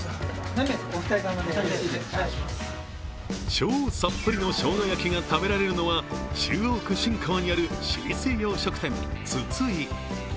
超さっぱりのしょうが焼きが食べられるのは、中央区・新川にある老舗洋食店・津々井。